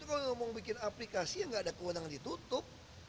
kalau ngomong bikin aplikasi ya nggak ada kewenangan ditutup